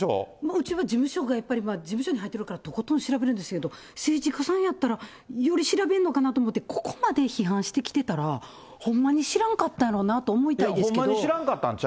うちは事務所がやっぱり、事務所に入ってないから本当に調べるんですけど、政治家さんやったらより調べるのかなと思って、ここまで批判してきたら、ほんまに知らんかったやろうなと思いまほんまに知らんかった違